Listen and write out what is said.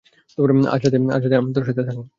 আজ রাত আমি তোর সাথে থাকি।